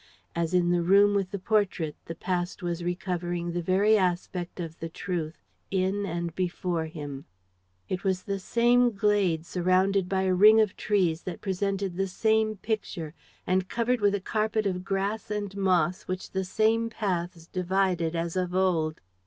As in the room with the portrait, the past was recovering the very aspect of the truth in and before him. It was the same glade, surrounded by a ring of trees that presented the same picture and covered with a carpet of grass and moss which the same paths divided as of old.